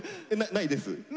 ないです？